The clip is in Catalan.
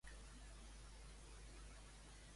Quan va fer-ne una altra el profeta?